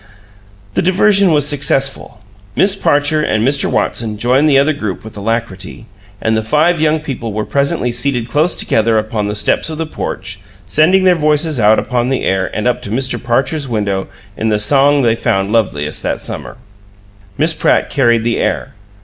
The diversion was successful. Miss Parcher and Mr. Watson joined the other group with alacrity, and the five young people were presently seated close together upon the steps of the porch, sending their voices out upon the air and up to Mr. Parcher's window in the song they found loveliest that summer. Miss Pratt carried the air.